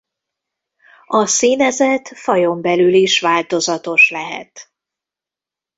A színezet fajon belül is változatos lehet.